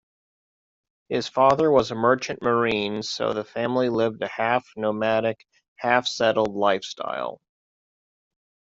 His father was a merchant marine, so the family lived a half-nomadic, half-settled lifestyle.